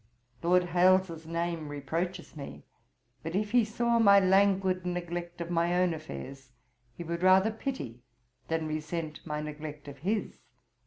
Lord Hailes's name reproaches me; but if he saw my languid neglect of my own affairs, he would rather pity than resent my neglect of his.